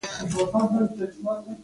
سفر ډېر ښه وو.